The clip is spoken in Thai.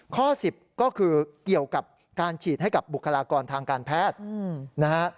ข้อ๑๐ก็คือเกี่ยวกับการฉีดให้กับบุคลากรทางการแพทย์นะฮะ